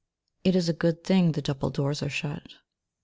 It is a good thing the double doors are shut.